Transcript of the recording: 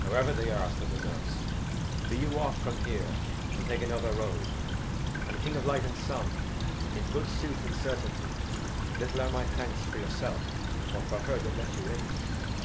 "However they are," said the nurse, "be you off from here and take another road. And, King of Light and Sun! in good sooth and certainty, little are my thanks for yourself or for her that let you in!"